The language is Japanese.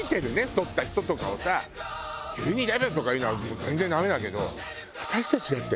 太った人とかをさ急に「デブ！」とか言うのは全然ダメだけど私たちだって。